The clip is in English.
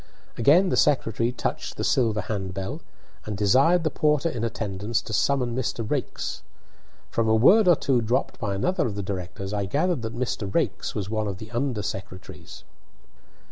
Again the secretary touched the silver handbell, and desired the porter in attendance to summon Mr. Raikes. From a word or two dropped by another of the directors I gathered that Mr. Raikes was one of the under secretaries.